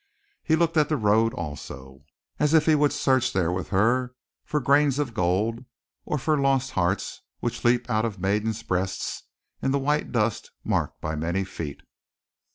He looked at the road, also, as if he would search with her there for grains of gold, or for lost hearts which leap out of maidens' breasts, in the white dust marked by many feet.